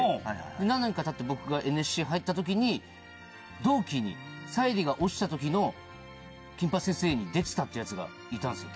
何年かたって僕がＮＳＣ入った時に同期に沙莉が落ちた時の『金八先生』に出てたってヤツがいたんですよ。